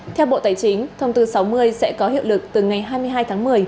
theo bộ tài chính thông tư sáu mươi sẽ có hiệu lực từ ngày hai mươi hai tháng một mươi